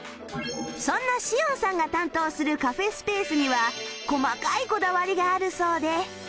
そんなしおんさんが担当するカフェスペースには細かいこだわりがあるそうで